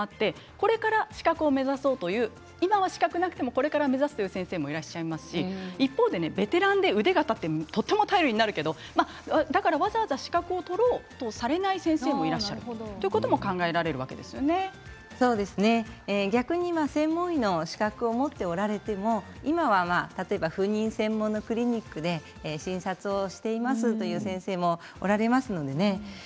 これから資格を目指そうという今は資格がなくてもこれから目指す先生もいらっしゃいますし一方でベテランで腕が立ってとても頼りになるけどだからわざわざ資格を取ろうとされない先生もいらっしゃるということも逆に専門医の資格を持っておられても、今は例えば不妊専門のクリニックで診察をしていますという先生もおられますのでね。